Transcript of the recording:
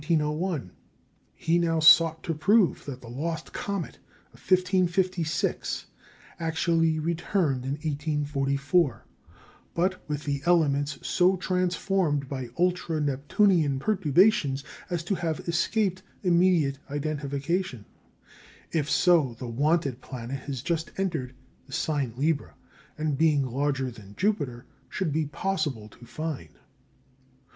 He now sought to prove that the lost comet of 1556 actually returned in 1844, but with elements so transformed by ultra Neptunian perturbations as to have escaped immediate identification. If so, the "wanted" planet has just entered the sign Libra, and, being larger than Jupiter, should be possible to find.